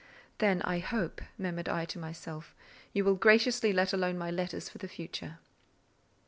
"Then I hope," murmured I to myself, "you will graciously let alone my letters for the future."